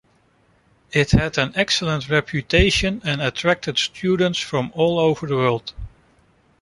It had an excellent reputation and attracted students from all over the world.